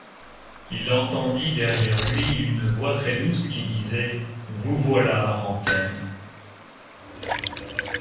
Il entendit derrière lui une voix très douce qui disait: — Vous voilà, Rantaine.